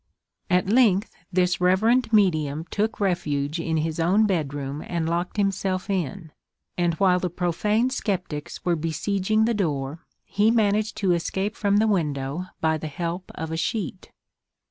At length this reverend medium took refuge in his own bedroom and locked himself in, and while the profane sceptics were besieging the door he managed to escape from the window by the help of a sheet.